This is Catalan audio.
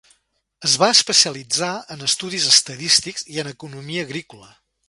Es va especialitzar en estudis estadístics i en economia agrícola.